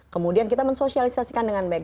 kemudian kita mensosialisasikan dengan baik